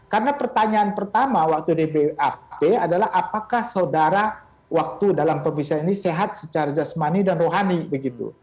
karena pertanyaan pertama waktu dbap adalah apakah saudara waktu dalam pemiksa ini sehat secara jasmani dan rohani begitu